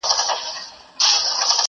دا د پېړيو اتل مه ورانوی؛